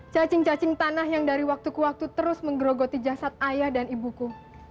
cacing cacing tanah yang dari waktu ke waktu terus menggerogoti jasad ayah dan ibuku